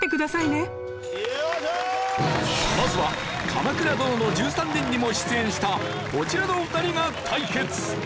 まずは『鎌倉殿の１３人』にも出演したこちらのお二人が対決！